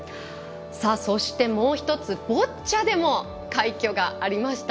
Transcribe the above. そして、もう１つボッチャでも快挙がありました。